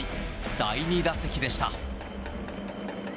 第２打席でした。